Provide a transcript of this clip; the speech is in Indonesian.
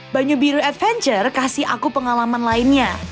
banyu biru adventure kasih aku pengalaman lainnya